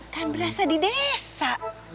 kan berasa di desa